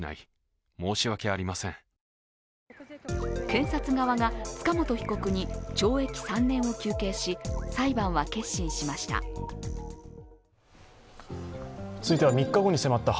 検察側が塚本被告に懲役３年を求刑し、裁判は結審しました。